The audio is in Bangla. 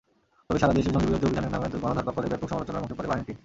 তবে সারা দেশে জঙ্গিবিরোধী অভিযানের নামে গণধরপাকড়ে ব্যাপক সমালোচনার মুখে পড়ে বাহিনীটি।